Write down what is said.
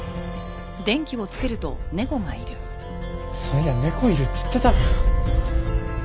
そういや猫いるっつってたな。